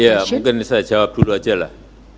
ya mungkin saya jawab dulu aja lah